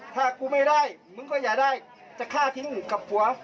ถ้ากูไม่ได้มึงก็อย่าได้จะฆ่าทิ้งกับผัว